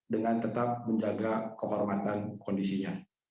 dengan tetap menjaga kehormatan kondisinya